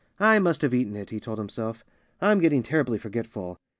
"I must have eaten it," he told himself. "I'm getting terribly forgetful."